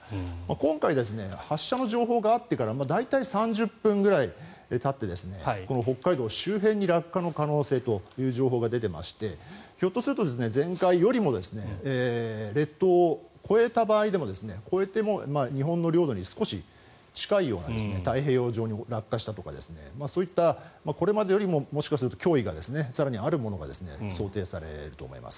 今回、発射の情報があってから大体３０分ぐらいたってこの北海道周辺に落下の可能性という情報が出ていましてひょっとすると前回よりも列島を越えた場合でも越えても日本の領土に少し近いような太平洋上に落下したとかそういった、これまでよりももしかしたら脅威が更にあるものが想定されると思います。